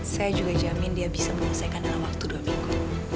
saya juga jamin dia bisa menyelesaikan dalam waktu dua minggu